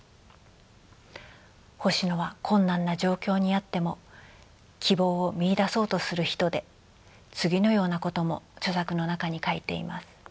星野は困難な状況にあっても希望を見いだそうとする人で次のようなことも著作の中に書いています。